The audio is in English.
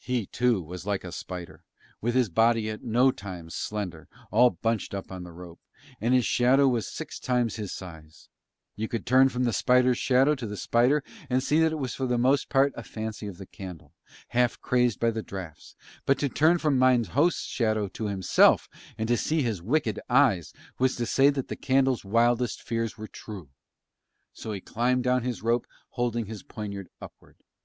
He too was like a spider, with his body at no time slender all bunched up on the rope, and his shadow was six times his size: you could turn from the spider's shadow to the spider and see that it was for the most part a fancy of the candle half crazed by the draughts, but to turn from mine host's shadow to himself and to see his wicked eyes was to say that the candle's wildest fears were true. So he climbed down his rope holding his poniard upward.